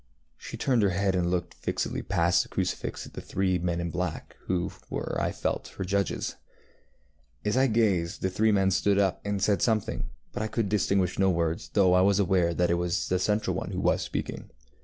She turned her head and looked fixedly past the crucifix at the three men in black, who were, I felt, her judges. As I gazed the three men stood up and said something, but I could distinguish no words, though I was aware that it was the central one who was speaking.